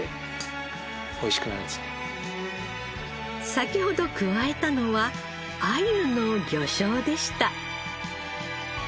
先ほど加えたのはアユの魚醤でした。